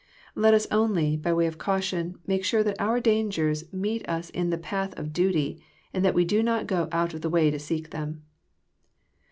Let us only, by way of caution, make sure tbat our dangers meet us iu the path of ^uty, and that we do not go out of the way to seek them.